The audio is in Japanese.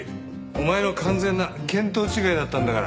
お前の完全な見当違いだったんだから。